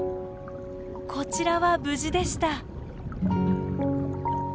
こちらは無事でした。